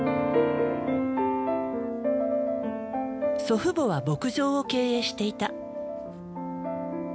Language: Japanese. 祖父母は牧場を経営していた。